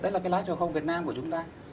đấy là cái lá trầu không việt nam của chúng ta